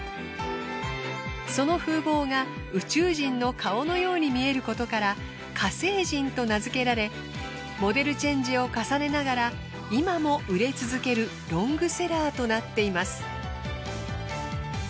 その風貌が宇宙人の顔のように見えることから火星人と名づけられモデルチェンジを重ねながら今も売れ続けるロングセラーとなっています。